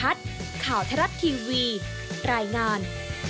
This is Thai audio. ภัทร์ข่าวทรัฐทีวีรายงาน